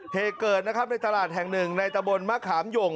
เฮเกิดครับในตลาดแห่งหนึ่งในตะบลมาขามย่ง